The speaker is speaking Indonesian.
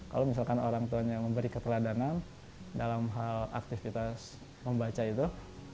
kalau misalkan orang tuanya memberi keteladanan dalam hal aktivitas membaca itu